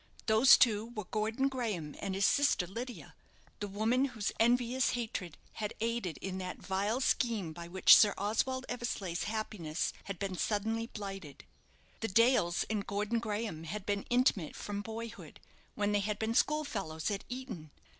Those two were Gordon Graham and his sister Lydia the woman whose envious hatred had aided in that vile scheme by which Sir Oswald Eversleigh's happiness had been suddenly blighted. The Dales and Gordon Graham had been intimate from boyhood, when they had been school fellows at Eton.